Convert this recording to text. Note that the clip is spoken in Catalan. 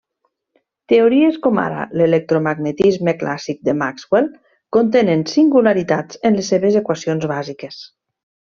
Teories com ara l'electromagnetisme clàssic de Maxwell contenen singularitats en les seves equacions bàsiques.